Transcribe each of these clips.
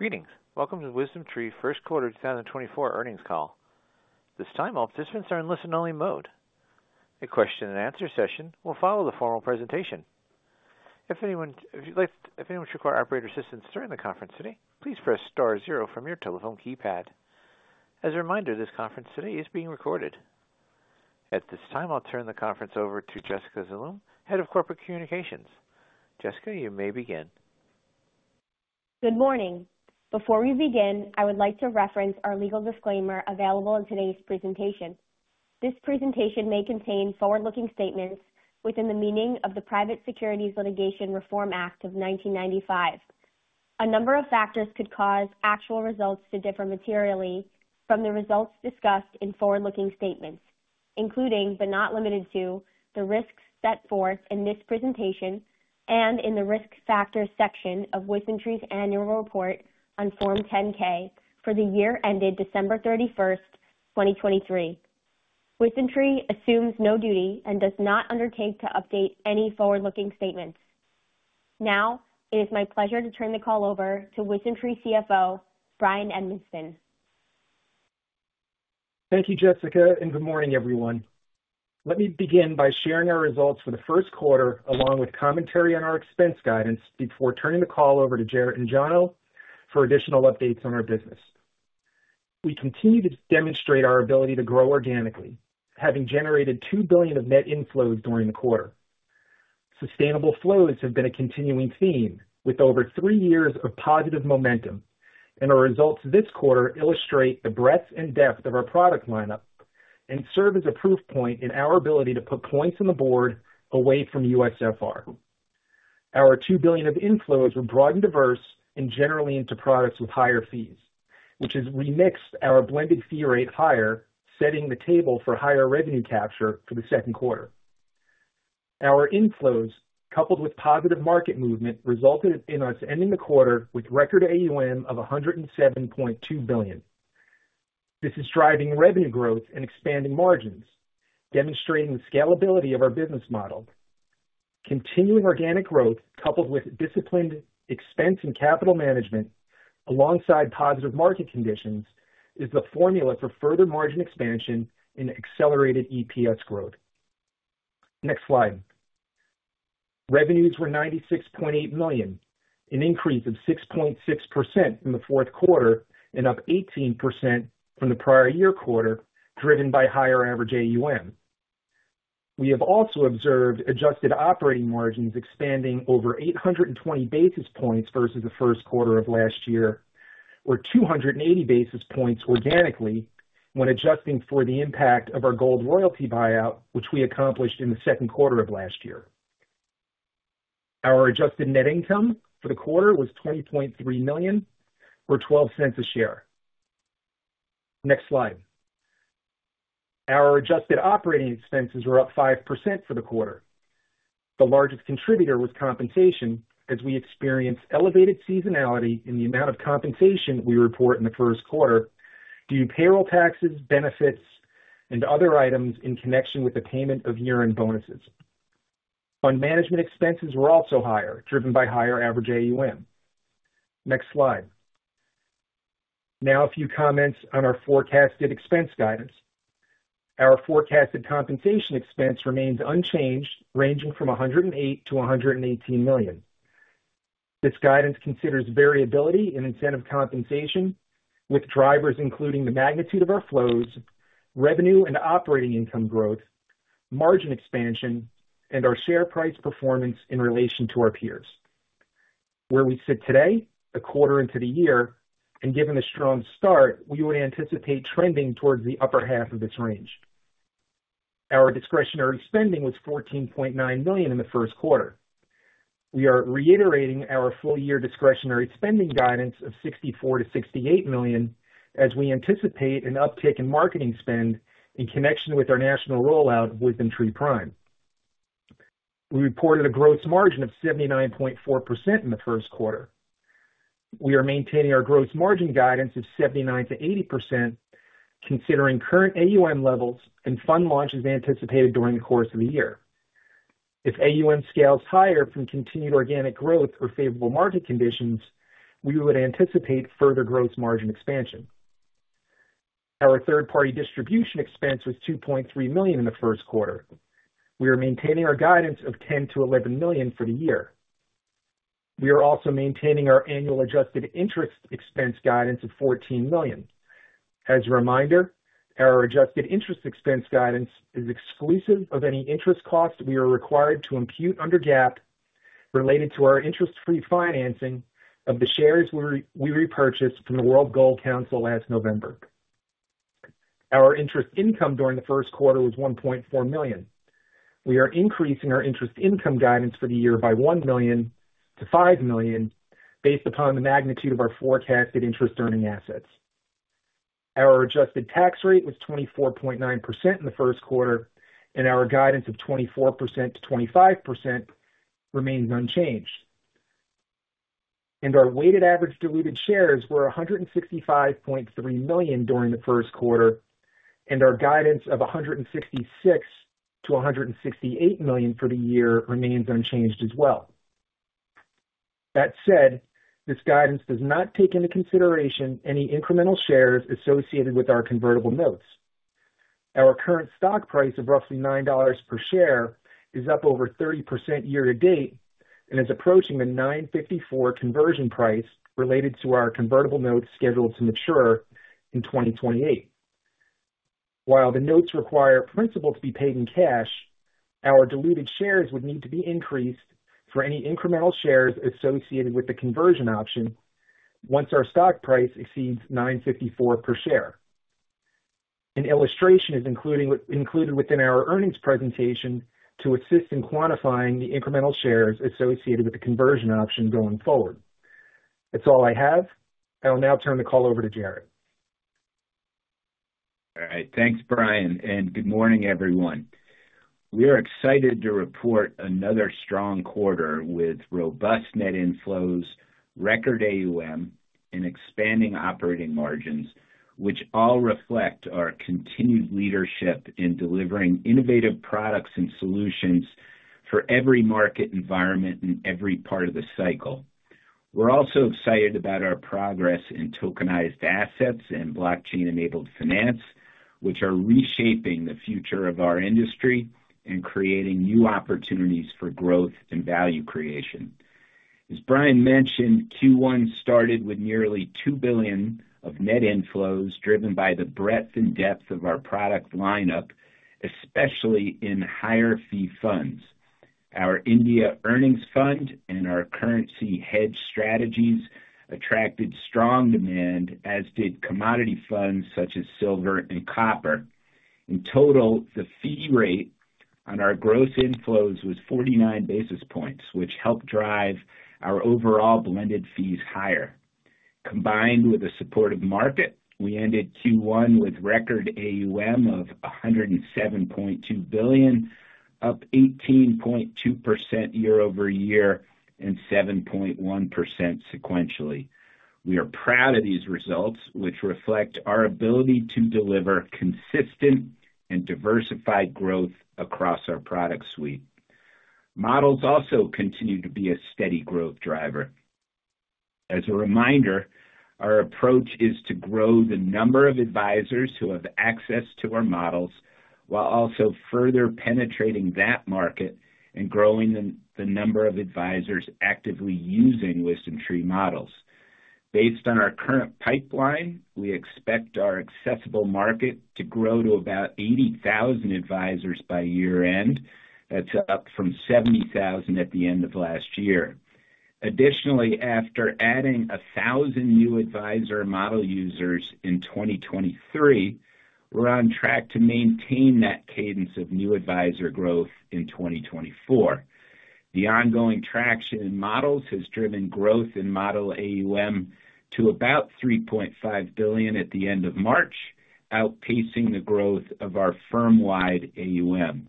Greetings. Welcome to WisdomTree First Quarter 2024 earnings call. This time, all participants are in listen-only mode. A question and answer session will follow the formal presentation. If anyone requires operator assistance during the conference today, please press star zero from your telephone keypad. As a reminder, this conference today is being recorded. At this time, I'll turn the conference over to Jessica Zaloom, Head of Corporate Communications. Jessica, you may begin. Good morning. Before we begin, I would like to reference our legal disclaimer available in today's presentation. This presentation may contain forward-looking statements within the meaning of the Private Securities Litigation Reform Act of 1995. A number of factors could cause actual results to differ materially from the result discussed in forward-looking statements, including, but not limited to, the risks set forth in this presentation and in the Risk Factors section of WisdomTree's annual report on Form 10-K for the year ended December 31, 2023. WisdomTree assumes no duty and does not undertake to update any forward-looking statements. Now, it is my pleasure to turn the call over to WisdomTree CFO, Bryan Edmiston. Thank you, Jessica, and good morning, everyone. Let me begin by sharing our results for the first quarter, along with commentary on our expense guidance before turning the call over to Jarrett and Jono for additional updates on our business. We continue to demonstrate our ability to grow organically, having generated $2 billion of net inflows during the quarter. Sustainable flows have been a continuing theme, with over three years of positive momentum, and our results this quarter illustrate the breadth and depth of our product lineup and serve as a proof point in our ability to put points on the board away from USFR. Our $2 billion of inflows were broad and diverse and generally into products with higher fees, which has remixed our blended fee rate higher, setting the table for higher revenue capture for the second quarter. Our inflows, coupled with positive market movement, resulted in us ending the quarter with record AUM of $107.2 billion. This is driving revenue growth and expanding margins, demonstrating the scalability of our business model. Continuing organic growth, coupled with disciplined expense and capital management alongside positive market conditions, is the formula for further margin expansion and accelerated EPS growth. Next slide. Revenues were $96.8 million, an increase of 6.6% from the fourth quarter and up 18% from the prior year quarter, driven by higher average AUM. We have also observed adjusted operating margins expanding over 820 basis points versus the first quarter of last year, or 280 basis points organically when adjusting for the impact of our gold royalty buyout, which we accomplished in the second quarter of last year. Our adjusted net income for the quarter was $20.3 million, or $0.12 a share. Next slide. Our adjusted operating expenses were up 5% for the quarter. The largest contributor was compensation, as we experienced elevated seasonality in the amount of compensation we report in the first quarter due to payroll taxes, benefits, and other items in connection with the payment of year-end bonuses. Fund management expenses were also higher, driven by higher average AUM. Next slide. Now, a few comments on our forecasted expense guidance. Our forecasted compensation expense remains unchanged, ranging from $108 million-$118 million. This guidance considers variability in incentive compensation, with drivers including the magnitude of our flows, revenue and operating income growth, margin expansion, and our share price performance in relation to our peers. Where we sit today, a quarter into the year, and given a strong start, we would anticipate trending towards the upper half of this range. Our discretionary spending was $14.9 million in the first quarter. We are reiterating our full year discretionary spending guidance of $64 million-$68 million as we anticipate an uptick in marketing spend in connection with our national rollout of WisdomTree Prime. We reported a gross margin of 79.4% in the first quarter. We are maintaining our gross margin guidance of 79%-80%, considering current AUM levels and fund launches anticipated during the course of the year. If AUM scales higher from continued organic growth or favorable market conditions, we would anticipate further gross margin expansion. Our third-party distribution expense was $2.3 million in the first quarter. We are maintaining our guidance of $10 million-$11 million for the year. We are also maintaining our annual adjusted interest expense guidance of $14 million. As a reminder, our adjusted interest expense guidance is exclusive of any interest costs we are required to impute under GAAP related to our interest-free financing of the shares we repurchased from the World Gold Council last November. Our interest income during the first quarter was $1.4 million. We are increasing our interest income guidance for the year by $1 million to $5 million, based upon the magnitude of our forecasted interest-earning assets. Our adjusted tax rate was 24.9% in the first quarter, and our guidance of 24%-25% remains unchanged. Our weighted average diluted shares were 165.3 million during the first quarter. Our guidance of $166 million-$168 million for the year remains unchanged as well. That said, this guidance does not take into consideration any incremental shares associated with our convertible notes. Our current stock price of roughly $9 per share is up over 30% year to date and is approaching the $9.54 conversion price related to our convertible notes scheduled to mature in 2028. While the notes require principal to be paid in cash, our diluted shares would need to be increased for any incremental shares associated with the conversion option once our stock price exceeds $9.54 per share. An illustration is included within our earnings presentation to assist in quantifying the incremental shares associated with the conversion option going forward. That's all I have. I will now turn the call over to Jarrett. All right. Thanks, Bryan, and good morning, everyone. We are excited to report another strong quarter with robust net inflows, record AUM, and expanding operating margins, which all reflect our continued leadership in delivering innovative products and solutions for every market environment in every part of the cycle. We're also excited about our progress in tokenized assets and blockchain-enabled finance, which are reshaping the future of our industry and creating new opportunities for growth and value creation. As Bryan mentioned, Q1 started with nearly $2 billion of net inflows, driven by the breadth and depth of our product lineup, especially in higher fee funds. Our India Earnings Fund and our currency hedge strategies attracted strong demand, as did commodity funds such as silver and copper. In total, the fee rate on our gross inflows was 49 basis points, which helped drive our overall blended fees higher. Combined with a supportive market, we ended Q1 with record AUM of $107.2 billion, up 18.2% year-over-year and 7.1% sequentially. We are proud of these results, which reflect our ability to deliver consistent and diversified growth across our product suite. Models also continue to be a steady growth driver. As a reminder, our approach is to grow the number of advisors who have access to our models, while also further penetrating that market and growing the number of advisors actively using WisdomTree models. Based on our current pipeline, we expect our accessible market to grow to about 80,000 advisors by year-end. That's up from 70,000 at the end of last year. Additionally, after adding 1,000 new advisor model users in 2023, we're on track to maintain that cadence of new advisor growth in 2024. The ongoing traction in models has driven growth in model AUM to about $3.5 billion at the end of March, outpacing the growth of our firm-wide AUM.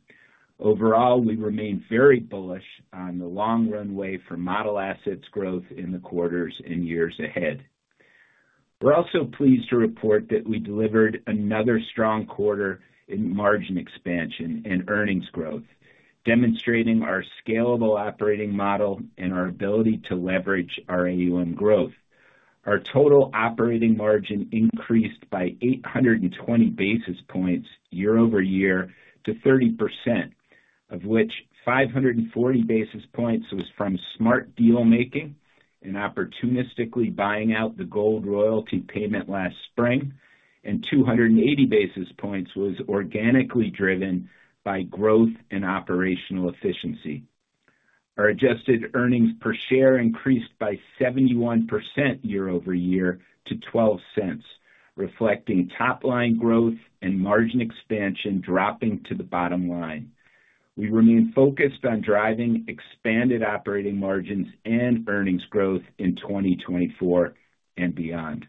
Overall, we remain very bullish on the long runway for model assets growth in the quarters and years ahead. We're also pleased to report that we delivered another strong quarter in margin expansion and earnings growth, demonstrating our scalable operating model and our ability to leverage our AUM growth. Our total operating margin increased by 820 basis points year-over-year to 30%, of which 540 basis points was from smart deal making and opportunistically buying out the gold royalty payment last spring, and 280 basis points was organically driven by growth and operational efficiency. Our adjusted earnings per share increased by 71% year-over-year to $0.12, reflecting top line growth and margin expansion dropping to the bottom line. We remain focused on driving expanded operating margins and earnings growth in 2024 and beyond.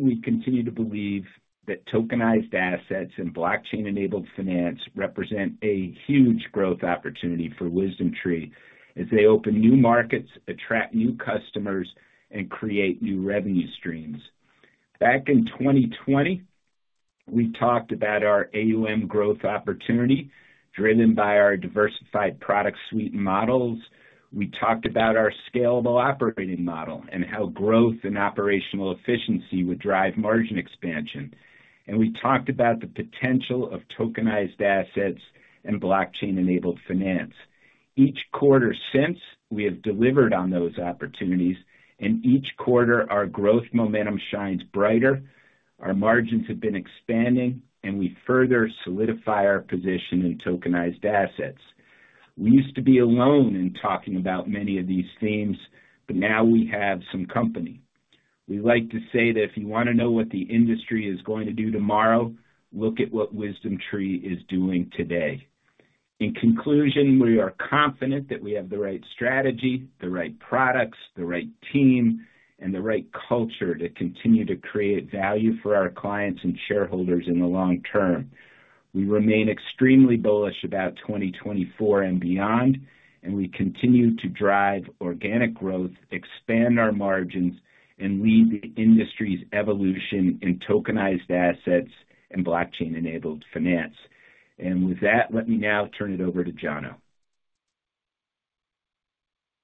We continue to believe that tokenized assets and blockchain-enabled finance represent a huge growth opportunity for WisdomTree as they open new markets, attract new customers, and create new revenue streams. Back in 2020, we talked about our AUM growth opportunity, driven by our diversified product suite models. We talked about our scalable operating model and how growth and operational efficiency would drive margin expansion. We talked about the potential of tokenized assets and blockchain-enabled finance. Each quarter since, we have delivered on those opportunities, and each quarter, our growth momentum shines brighter, our margins have been expanding, and we further solidify our position in tokenized assets. We used to be alone in talking about many of these themes, but now we have some company. We like to say that if you want to know what the industry is going to do tomorrow, look at what WisdomTree is doing today. In conclusion, we are confident that we have the right strategy, the right products, the right team, and the right culture to continue to create value for our clients and shareholders in the long term. We remain extremely bullish about 2024 and beyond, and we continue to drive organic growth, expand our margins, and lead the industry's evolution in tokenized assets and blockchain-enabled finance. With that, let me now turn it over to Jono.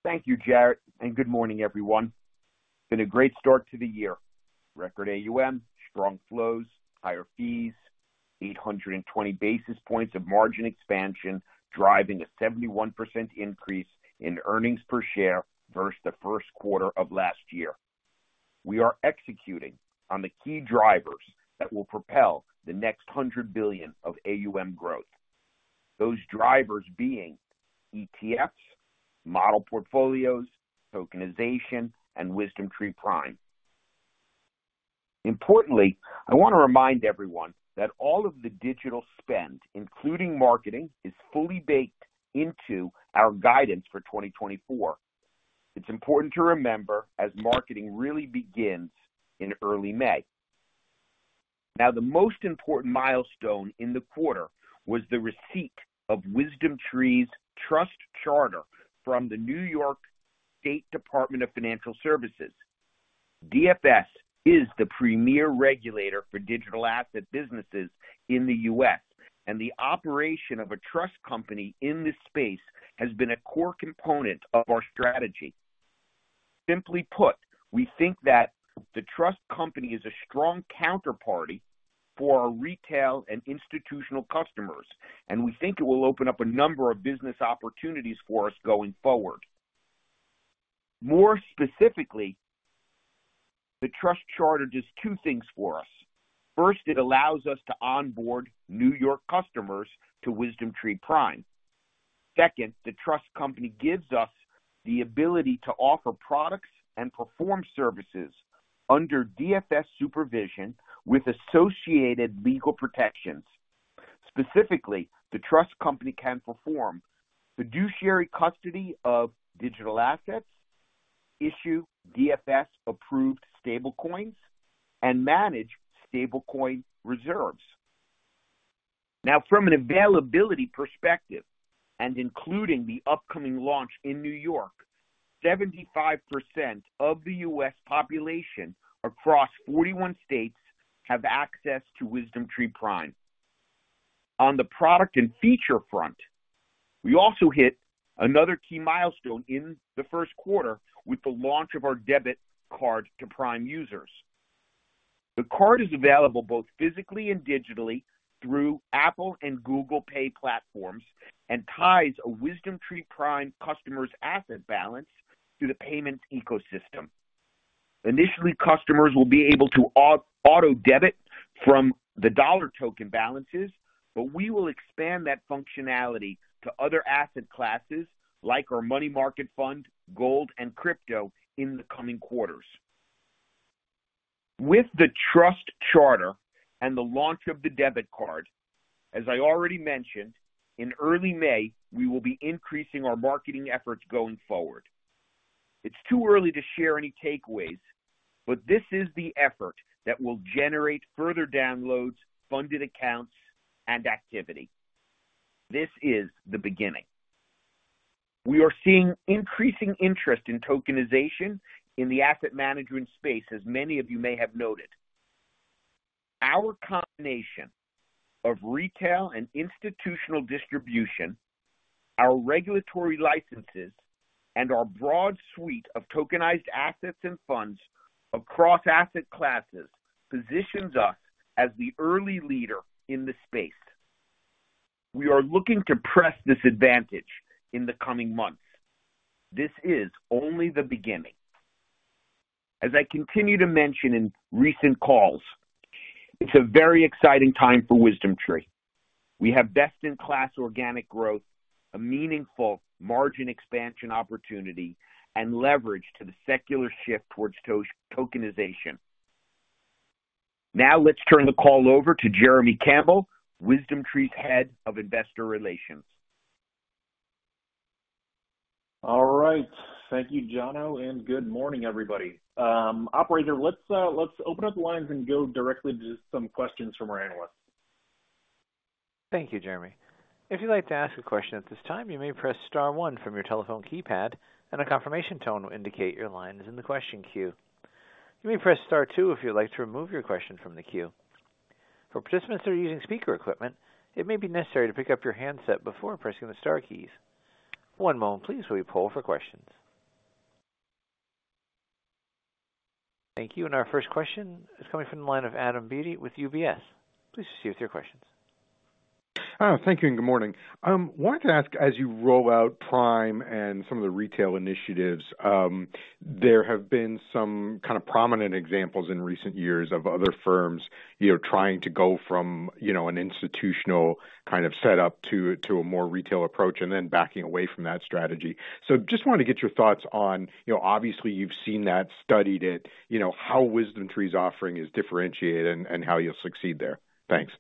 Thank you, Jarrett, and good morning, everyone. It's been a great start to the year. Record AUM, strong flows, higher fees, 820 basis points of margin expansion, driving a 71% increase in earnings per share versus the first quarter of last year. We are executing on the key drivers that will propel the next 100 billion of AUM growth. Those drivers being ETFs, model portfolios, tokenization, and WisdomTree Prime. Importantly, I want to remind everyone that all of the digital spend, including marketing, is fully baked into our guidance for 2024. It's important to remember as marketing really begins in early May. Now, the most important milestone in the quarter was the receipt of WisdomTree's trust charter from the New York State Department of Financial Services. DFS is the premier regulator for digital asset businesses in the U.S., and the operation of a trust company in this space has been a core component of our strategy. Simply put, we think that the trust company is a strong counterparty for our retail and institutional customers, and we think it will open up a number of business opportunities for us going forward. More specifically, the trust charter does two things for us. First, it allows us to onboard New York customers to WisdomTree Prime. Second, the trust company gives us the ability to offer products and perform services under DFS supervision with associated legal protections. Specifically, the trust company can perform fiduciary custody of digital assets, issue DFS-approved stablecoins, and manage stablecoin reserves. Now, from an availability perspective, and including the upcoming launch in New York, 75% of the U.S. population across 41 states have access to WisdomTree Prime. On the product and feature front, we also hit another key milestone in the first quarter with the launch of our debit card to Prime users. The card is available both physically and digitally through Apple Pay and Google Pay platforms and ties a WisdomTree Prime customer's asset balance to the payments ecosystem. Initially, customers will be able to auto-debit from the dollar token balances, but we will expand that functionality to other asset classes like our money market fund, gold, and crypto in the coming quarters. With the Trust Charter and the launch of the debit card, as I already mentioned, in early May, we will be increasing our marketing efforts going forward. It's too early to share any takeaways, but this is the effort that will generate further downloads, funded accounts, and activity. This is the beginning. We are seeing increasing interest in tokenization in the asset management space, as many of you may have noted. Our combination of retail and institutional distribution, our regulatory licenses, and our broad suite of tokenized assets and funds across asset classes positions us as the early leader in this space. We are looking to press this advantage in the coming months. This is only the beginning. As I continue to mention in recent calls, it's a very exciting time for WisdomTree. We have best-in-class organic growth, a meaningful margin expansion opportunity, and leverage to the secular shift towards tokenization. Now, let's turn the call over to Jeremy Campbell, WisdomTree's Head of Investor Relations. All right. Thank you, Jono, and good morning, everybody. Operator, let's open up the lines and go directly to some questions from our analysts. Thank you, Jeremy. If you'd like to ask a question at this time, you may press star one from your telephone keypad, and a confirmation tone will indicate your line is in the question queue. You may press star two if you'd like to remove your question from the queue. For participants that are using speaker equipment, it may be necessary to pick up your handset before pressing the star keys. One moment, please, while we poll for questions. Thank you. Our first question is coming from the line of Adam Beatty with UBS. Please proceed with your questions. Thank you, and good morning. Wanted to ask, as you roll out Prime and some of the retail initiatives, there have been some kind of prominent examples in recent years of other firms, you know, trying to go from, you know, an institutional kind of setup to a more retail approach and then backing away from that strategy. So just wanted to get your thoughts on, you know, obviously you've seen that, studied it, you know, how WisdomTree's offering is differentiated and how you'll succeed there. Thanks.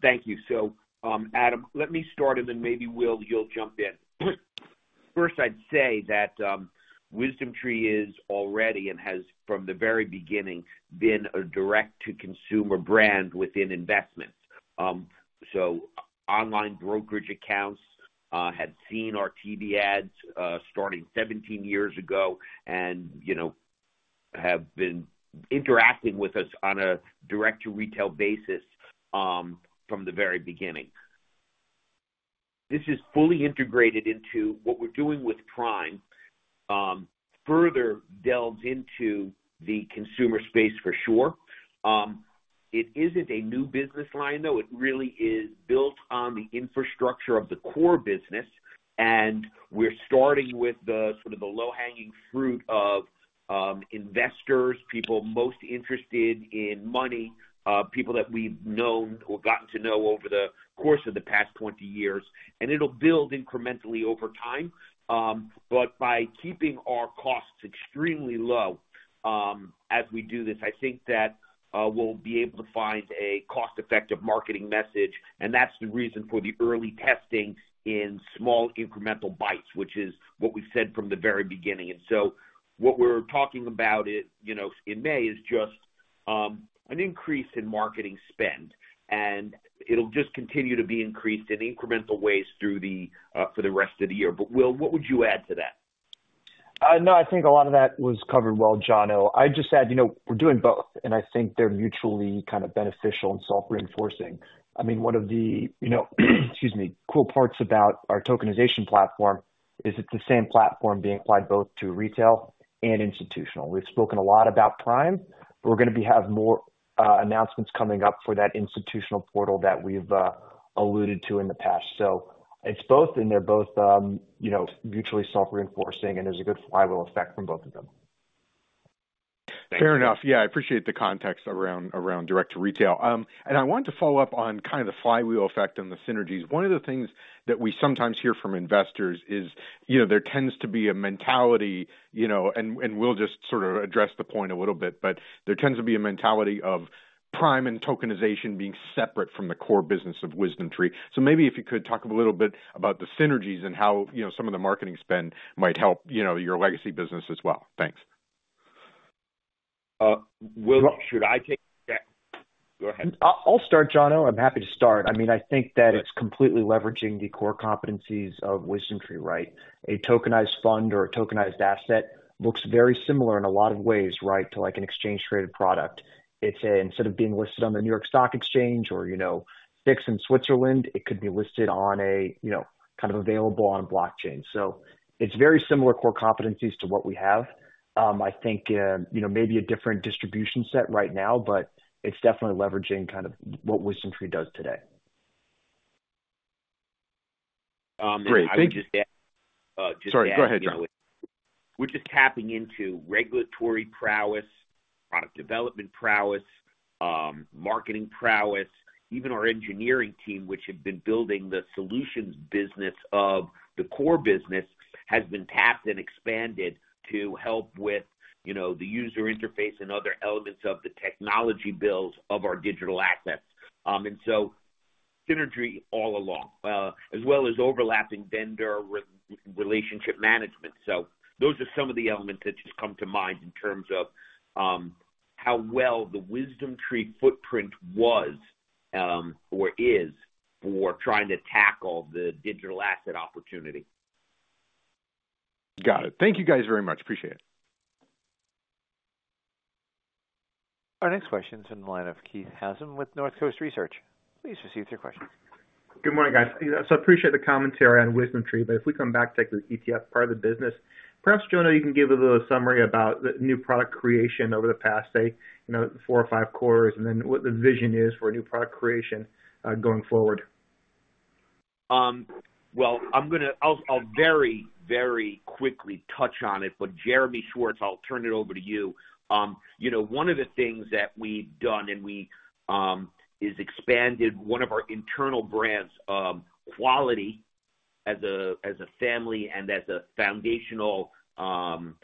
Thank you. So, Adam, let me start, and then maybe, Will, you'll jump in. First, I'd say that, WisdomTree is already, and has from the very beginning, been a direct-to-consumer brand within investment. So online brokerage accounts, have seen our TV ads, starting 17 years ago, and, you know, have been interacting with us on a direct-to-retail basis, from the very beginning. This is fully integrated into what we're doing with Prime, further delves into the consumer space for sure. It isn't a new business line, though. It really is built on the infrastructure of the core business, and we're starting with the sort of the low-hanging fruit of, investors, people most interested in money, people that we've known or gotten to know over the course of the past 20 years, and it'll build incrementally over time. But by keeping our costs extremely low, as we do this, I think that, we'll be able to find a cost-effective marketing message, and that's the reason for the early testing in small incremental bites, which is what we've said from the very beginning. And so what we're talking about it, you know, in May, is just, an increase in marketing spend, and it'll just continue to be increased in incremental ways through the, for the rest of the year. But, Will, what would you add to that? No, I think a lot of that was covered well, Jono. I'd just add, you know, we're doing both, and I think they're mutually kind of beneficial and self-reinforcing. I mean, one of the, you know, excuse me, cool parts about our tokenization platform is it's the same platform being applied both to retail and institutional. We've spoken a lot about Prime, but we're gonna be having more announcements coming up for that institutional portal that we've alluded to in the past. So it's both, and they're both, you know, mutually self-reinforcing, and there's a good flywheel effect from both of them. Fair enough. Yeah, I appreciate the context around, around direct to retail. And I wanted to follow up on kind of the flywheel effect and the synergies. One of the things that we sometimes hear from investors is, you know, there tends to be a mentality, you know, and, and we'll just sort of address the point a little bit, but there tends to be a mentality of Prime and Tokenization being separate from the core business of WisdomTree. So maybe if you could talk a little bit about the synergies and how, you know, some of the marketing spend might help, you know, your legacy business as well. Thanks. Will, should I take that? Go ahead. I'll start, Jono. I'm happy to start. I mean, I think that it's completely leveraging the core competencies of WisdomTree, right? A tokenized fund or a tokenized asset looks very similar in a lot of ways, right, to like an exchange traded product. It's a... Instead of being listed on the New York Stock Exchange or, you know, fixed in Switzerland, it could be listed on a, you know, kind of available on blockchain. So it's very similar core competencies to what we have. I think, you know, maybe a different distribution set right now, but it's definitely leveraging kind of what WisdomTree does today. Great, thank- I would just add, just to add- Sorry, go ahead, Jono. We're just tapping into regulatory prowess, product development prowess, marketing prowess. Even our engineering team, which had been building the solutions business of the core business, has been tapped and expanded to help with, you know, the user interface and other elements of the technology builds of our digital assets. And so synergy all along, as well as overlapping vendor relationship management. So those are some of the elements that just come to mind in terms of, how well the WisdomTree footprint was, or is for trying to tackle the digital asset opportunity. Got it. Thank you, guys, very much. Appreciate it. Our next question is in the line of Keith Housum with North Coast Research. Please proceed with your question. Good morning, guys. I appreciate the commentary on WisdomTree, but if we come back to the ETF part of the business, perhaps, Jono, you can give a little summary about the new product creation over the past, say, you know, four or five quarters, and then what the vision is for new product creation going forward. Well, I'm gonna... I'll, I'll very, very quickly touch on it, but Jeremy Schwartz, I'll turn it over to you. You know, one of the things that we've done and we is expanded one of our internal brands, Quality as a, as a family and as a foundational factor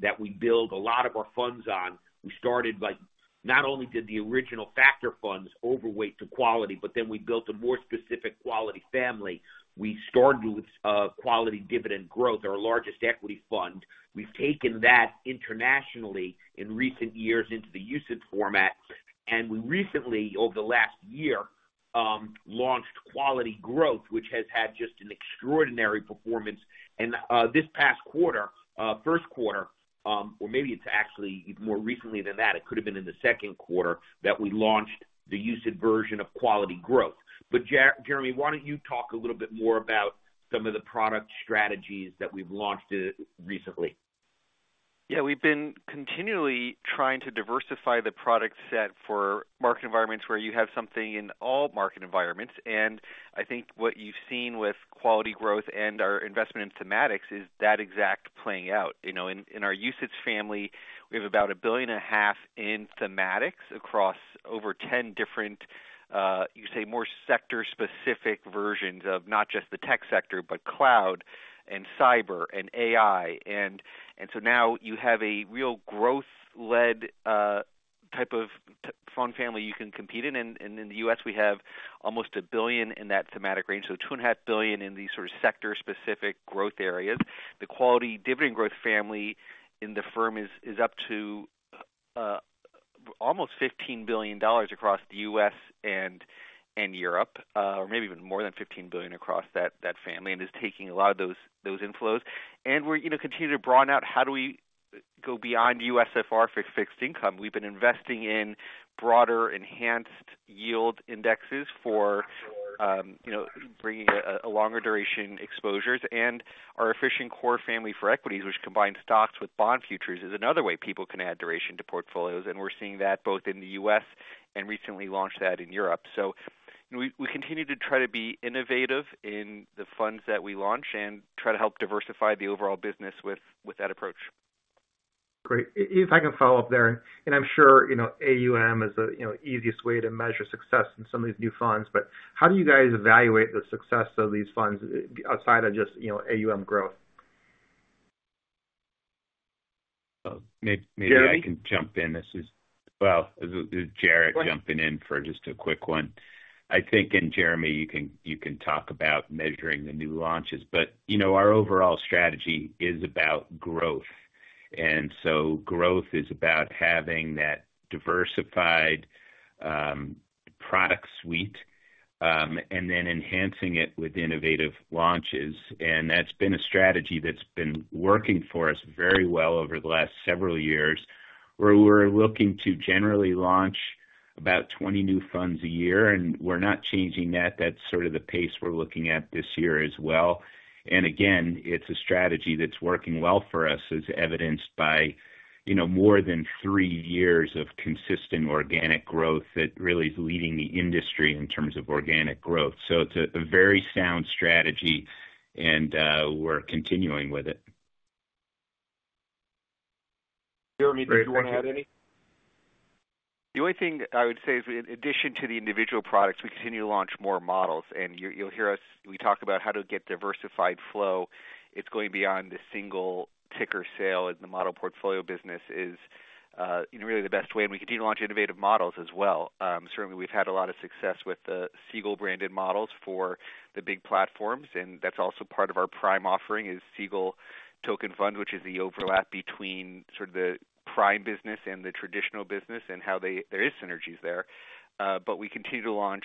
that we build a lot of our funds on. We started by, not only did the original factor funds overweight to quality, but then we built a more specific Quality family. We started with Quality Dividend Growth, our largest equity fund. We've taken that internationally in recent years into the UCITS format, and we recently, over the last year, launched Quality Growth, which has had just an extraordinary performance. This past quarter, first quarter, or maybe it's actually even more recently than that, it could have been in the second quarter, that we launched the UCITS version of Quality Growth. But Jeremy, why don't you talk a little bit more about some of the product strategies that we've launched recently? Yeah, we've been continually trying to diversify the product set for market environments where you have something in all market environments. And I think what you've seen with quality growth and our investment in thematics is that exact playing out. You know, in our UCITS family, we have about $1.5 billion in thematics across over 10 different, you say, more sector-specific versions of not just the tech sector, but cloud... and cyber and AI. And so now you have a real growth-led type of fund family you can compete in. And in the U.S., we have almost $1 billion in that thematic range, so $2.5 billion in these sort of sector-specific growth areas. The Quality Dividend Growth family in the firm is up to almost $15 billion across the U.S. and Europe, or maybe even more than $15 billion across that family, and is taking a lot of those inflows. And we're, you know, continuing to broaden out how do we go beyond USFR for fixed income. We've been investing in broader, enhanced yield indexes for you know bringing a longer duration exposures and our Efficient Core family for equities, which combines stocks with bond futures, is another way people can add duration to portfolios. And we're seeing that both in the U.S., and recently launched that in Europe. So we continue to try to be innovative in the funds that we launch and try to help diversify the overall business with that approach. Great. If I can follow up there, and I'm sure, you know, AUM is the, you know, easiest way to measure success in some of these new funds. But how do you guys evaluate the success of these funds outside of just, you know, AUM growth? Maybe I can jump in. Jeremy? This is. Well, this is Jarrett jumping in for just a quick one. I think, and Jeremy, you can talk about measuring the new launches, but, you know, our overall strategy is about growth. So growth is about having that diversified product suite, and then enhancing it with innovative launches. And that's been a strategy that's been working for us very well over the last several years, where we're looking to generally launch about 20 new funds a year, and we're not changing that. That's sort of the pace we're looking at this year as well. And again, it's a strategy that's working well for us, as evidenced by, you know, more than three years of consistent organic growth that really is leading the industry in terms of organic growth. So it's a very sound strategy, and we're continuing with it. Jeremy, did you want to add any? The only thing I would say is, in addition to the individual products, we continue to launch more models. And you, you'll hear us. We talk about how to get diversified flow. It's going beyond the single ticker sale, as the model portfolio business is, really the best way, and we continue to launch innovative models as well. Certainly we've had a lot of success with the Siegel branded models for the big platforms, and that's also part of our Prime offering, is Siegel Token Fund, which is the overlap between sort of the Prime business and the traditional business and how they... There is synergies there. But we continue to launch,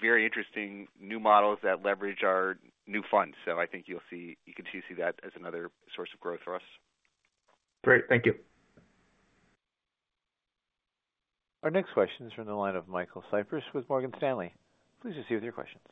very interesting new models that leverage our new funds. So I think you'll see, you continue to see that as another source of growth for us. Great. Thank you. Our next question is from the line of Michael Cyprys with Morgan Stanley. Please proceed with your questions.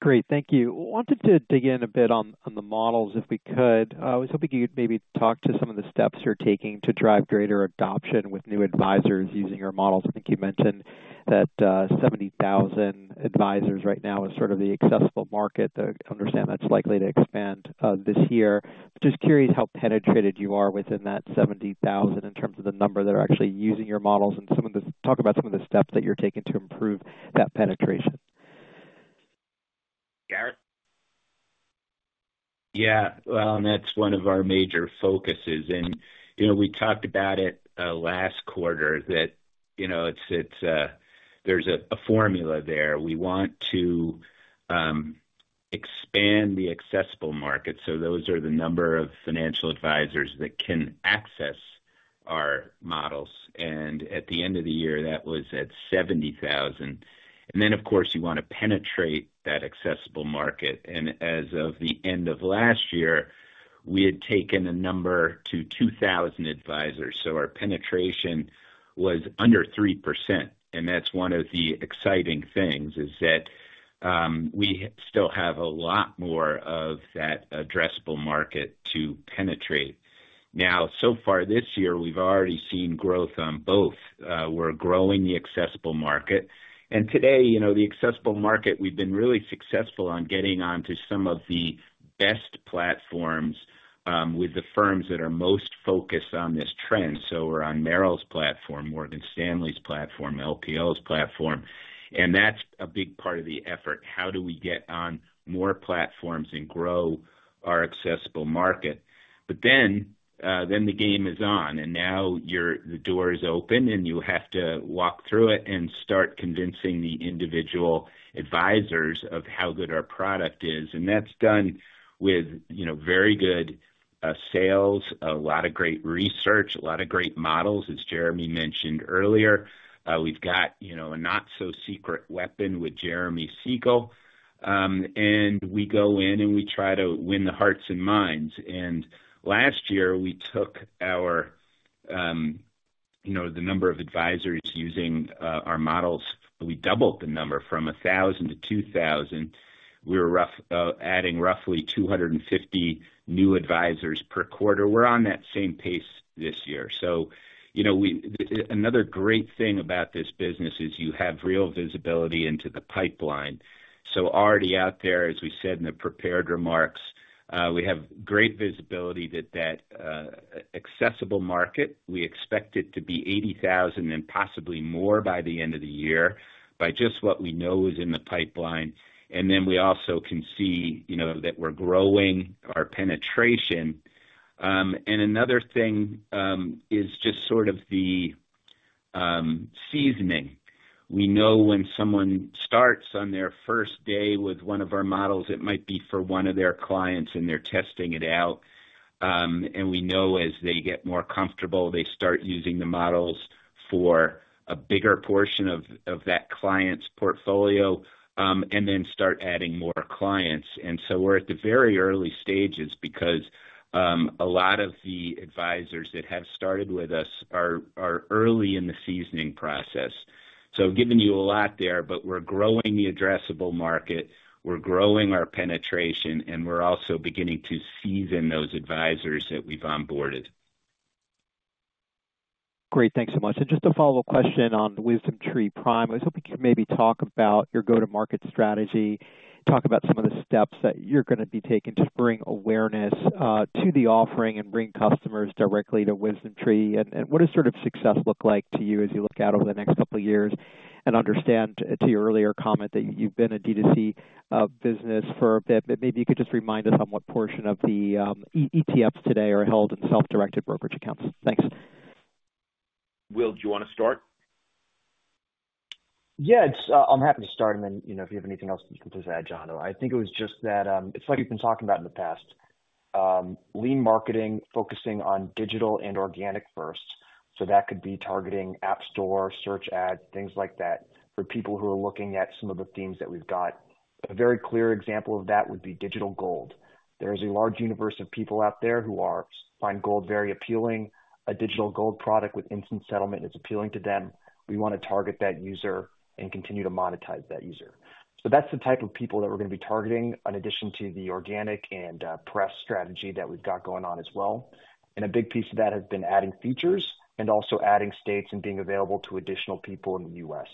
Great, thank you. Wanted to dig in a bit on the models, if we could. I was hoping you'd maybe talk to some of the steps you're taking to drive greater adoption with new advisors using your models. I think you mentioned that 70,000 advisors right now is sort of the accessible market. I understand that's likely to expand this year. Just curious how penetrated you are within that 70,000 in terms of the number that are actually using your models, and some of the steps that you're taking to improve that penetration. Jarrett? Yeah. Well, that's one of our major focuses. And, you know, we talked about it last quarter, that, you know, it's, there's a formula there. We want to expand the accessible market. So those are the number of financial advisors that can access our models, and at the end of the year, that was at 70,000. And then, of course, you want to penetrate that accessible market. And as of the end of last year, we had taken the number to 2,000 advisors, so our penetration was under 3%. And that's one of the exciting things, is that we still have a lot more of that addressable market to penetrate. Now, so far this year, we've already seen growth on both. We're growing the accessible market, and today, you know, the accessible market, we've been really successful on getting onto some of the best platforms with the firms that are most focused on this trend. So we're on Merrill's platform, Morgan Stanley's platform, LPL's platform, and that's a big part of the effort. How do we get on more platforms and grow our accessible market? But then the game is on, and now your, the door is open, and you have to walk through it and start convincing the individual advisors of how good our product is. And that's done with, you know, very good sales, a lot of great research, a lot of great models. As Jeremy mentioned earlier, we've got, you know, a not-so-secret weapon with Jeremy Siegel. And we go in, and we try to win the hearts and minds. Last year, we took our, you know, the number of advisors using our models. We doubled the number from 1,000 to 2,000. We were adding roughly 250 new advisors per quarter. We're on that same pace this year. So, you know, we, another great thing about this business is you have real visibility into the pipeline. So already out there, as we said in the prepared remarks, we have great visibility that addressable market, we expect it to be 80,000 and possibly more by the end of the year, by just what we know is in the pipeline. And then we also can see, you know, that we're growing our penetration. And another thing is just sort of the seasoning. We know when someone starts on their first day with one of our models, it might be for one of their clients, and they're testing it out. And we know as they get more comfortable, they start using the models for a bigger portion of that client's portfolio, and then start adding more clients. And so we're at the very early stages because a lot of the advisors that have started with us are early in the seasoning process. So I've given you a lot there, but we're growing the addressable market, we're growing our penetration, and we're also beginning to season those advisors that we've onboarded. Great. Thanks so much. And just a follow-up question on the WisdomTree Prime. I was hoping you could maybe talk about your go-to-market strategy, talk about some of the steps that you're gonna be taking to bring awareness to the offering and bring customers directly to WisdomTree. And, and what does sort of success look like to you as you look out over the next couple of years? And understand, to your earlier comment, that you've been a D2C business for a bit, but maybe you could just remind us on what portion of the ETFs today are held in self-directed brokerage accounts. Thanks. Will, do you want to start? Yeah, it's, I'm happy to start, and then, you know, if you have anything else you can just add, John. I think it was just that, it's like you've been talking about in the past, lean marketing, focusing on digital and organic first. So that could be targeting app store, search ads, things like that, for people who are looking at some of the themes that we've got. A very clear example of that would be digital gold. There is a large universe of people out there who find gold very appealing. A digital gold product with instant settlement is appealing to them. We want to target that user and continue to monetize that user. So that's the type of people that we're gonna be targeting, in addition to the organic and, press strategy that we've got going on as well. And a big piece of that has been adding features and also adding states and being available to additional people in the U.S.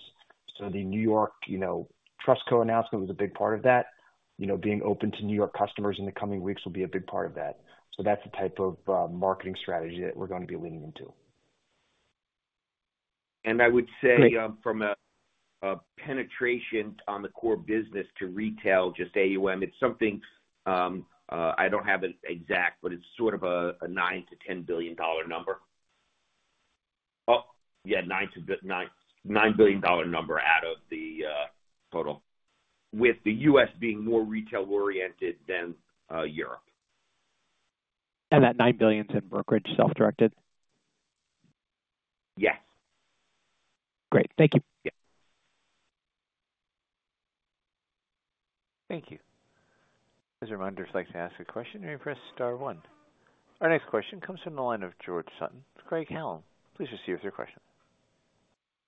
So the New York, you know, Trust Co. announcement was a big part of that. You know, being open to New York customers in the coming weeks will be a big part of that. So that's the type of marketing strategy that we're going to be leaning into. I would say, from a penetration on the core business to retail, just AUM, it's something, I don't have an exact, but it's sort of a $9 billion-$10 billion number. Oh, yeah, $9 billion number out of the total, with the US being more retail-oriented than Europe. That $9 billion's in brokerage, self-directed? Yes. Great. Thank you. Yeah. Thank you. As a reminder, if you'd like to ask a question, you may press star one. Our next question comes from the line of George Sutton, Craig-Hallum. Please proceed with your question.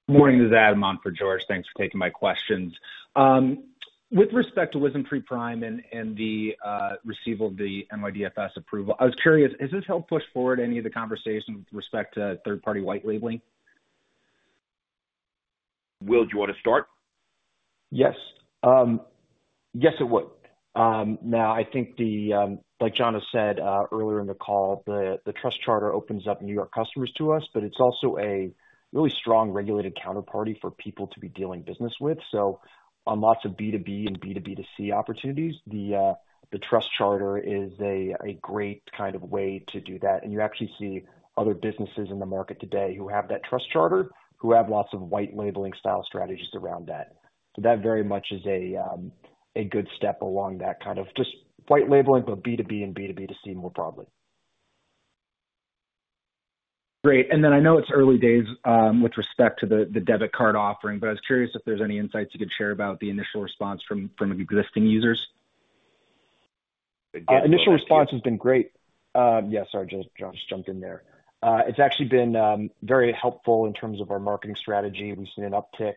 Morning, this is Adam on for George. Thanks for taking my questions. With respect to WisdomTree Prime and the receipt of the NYDFS approval, I was curious, has this helped push forward any of the conversation with respect to third-party white labeling? Will, do you want to start? Yes. Yes, it would. Now, I think the, like John has said, earlier in the call, the, the Trust Charter opens up New York customers to us, but it's also a really strong regulated counterparty for people to be dealing business with. So on lots of B2B and B2B2C opportunities, the, the Trust Charter is a, a great kind of way to do that. And you actually see other businesses in the market today who have that Trust Charter, who have lots of white labeling style strategies around that. So that very much is a, a good step along that kind of just white labeling, but B2B and B2B2C, more broadly. Great. Then I know it's early days with respect to the debit card offering, but I was curious if there's any insights you could share about the initial response from existing users? Initial response has been great. Yeah, sorry, Jono, Jono just jumped in there. It's actually been very helpful in terms of our marketing strategy. We've seen an uptick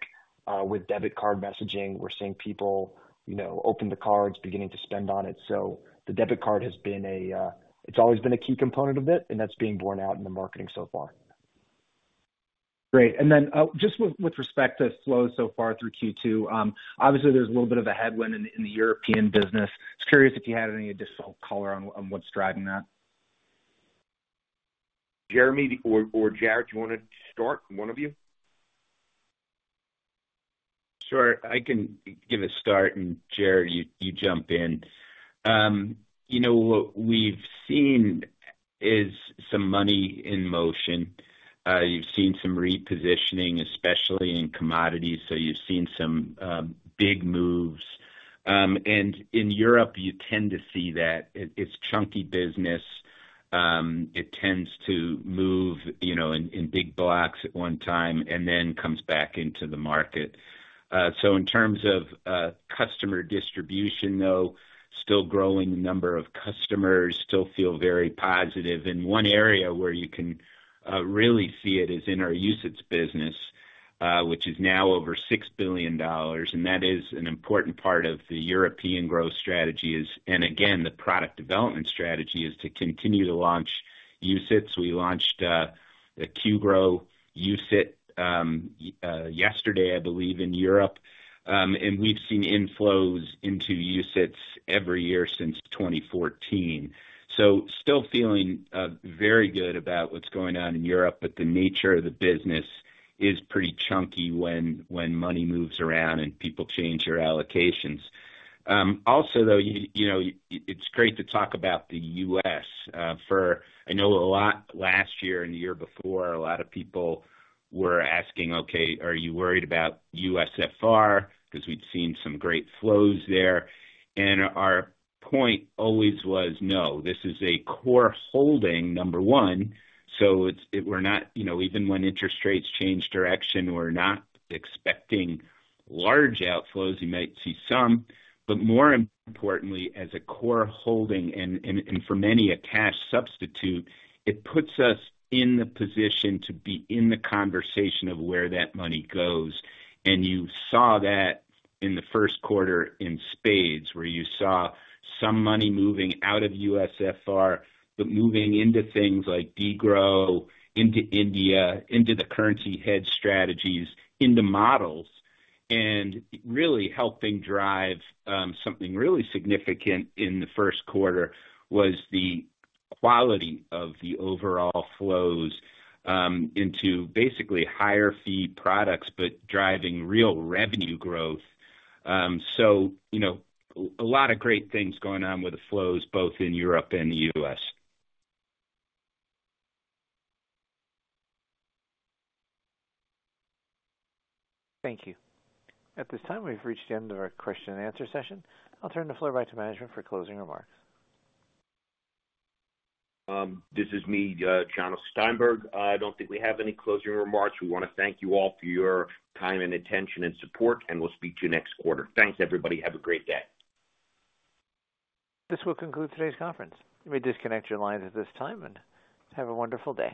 with debit card messaging. We're seeing people, you know, open the cards, beginning to spend on it. So the debit card has been a key component of it, and that's being borne out in the marketing so far. Great. And then, just with respect to flow so far through Q2, obviously there's a little bit of a headwind in the European business. Just curious if you had any additional color on what's driving that. Jeremy or Jarrett, do you want to start, one of you? Sure. I can give a start, and Jarrett, you jump in. You know, what we've seen is some money in motion. You've seen some repositioning, especially in commodities, so you've seen some big moves. And in Europe, you tend to see that. It's chunky business. It tends to move, you know, in big blocks at one time and then comes back into the market. So in terms of customer distribution, though, still growing number of customers, still feel very positive. In one area where you can really see it is in our usage business, which is now over $6 billion, and that is an important part of the European growth strategy is... And again, the product development strategy, is to continue to launch... UCITS. We launched the Q Growth UCITS yesterday, I believe, in Europe. We've seen inflows into UCITS every year since 2014. Still feeling very good about what's going on in Europe, but the nature of the business is pretty chunky when money moves around and people change their allocations. Also, though, you know, it's great to talk about the US. I know a lot last year and the year before, a lot of people were asking, "Okay, are you worried about USFR?" Because we'd seen some great flows there. Our point always was, no, this is a core holding, number one, so we're not, you know, even when interest rates change direction, we're not expecting large outflows. You might see some, but more importantly, as a core holding and for many, a cash substitute, it puts us in the position to be in the conversation of where that money goes. You saw that in the first quarter in spades, where you saw some money moving out of USFR, but moving into things like DGRW, into India, into the currency hedge strategies, into models. Really helping drive something really significant in the first quarter was the quality of the overall flows into basically higher fee products, but driving real revenue growth. So, you know, a lot of great things going on with the flows, both in Europe and the U.S. Thank you. At this time, we've reached the end of our question and answer session. I'll turn the floor back to management for closing remarks. This is me, Jonathan Steinberg. I don't think we have any closing remarks. We want to thank you all for your time and attention and support, and we'll speak to you next quarter. Thanks, everybody. Have a great day. This will conclude today's conference. You may disconnect your lines at this time, and have a wonderful day.